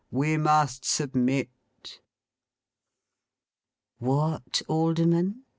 We must submit!' What, Alderman!